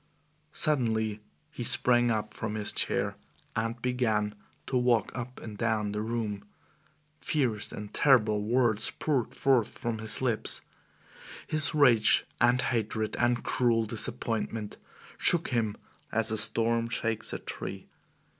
Suddenly he sprang up from his chair and began to walk up and down the room. Fierce and terrible words poured forth from his lips. His rage and hatred and cruel disappointment shook him as a storm shakes a tree.